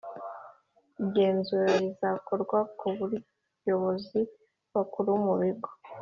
igenzura rizakorwa ku bayobozi bakuru bo mu bigo